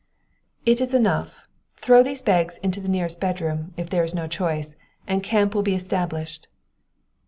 "It is enough. Throw these bags into the nearest bedroom, if there is no choice, and camp will be established."